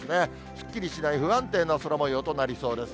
すっきりしない不安定な空もようとなりそうです。